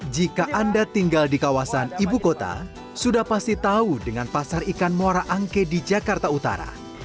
jika anda tinggal di kawasan ibu kota sudah pasti tahu dengan pasar ikan muara angke di jakarta utara